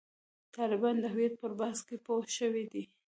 طالبان د هویت پر بحث کې پوه شوي دي.